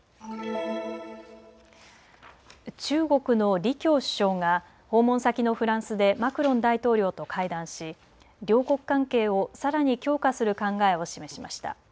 中国の李強首相が訪問先のフランスでマクロン大統領と会談し両国関係をさらに強化する考えを示しました。